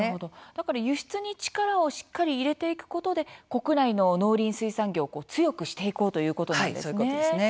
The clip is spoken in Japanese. だから輸出に力をしっかり入れていくことで国内の農林水産業を強くしていこうということなんですね。